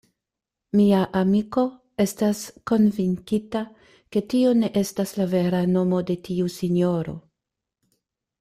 Mia amiko estas konvinkita, ke tio ne estas la vera nomo de tiu sinjoro.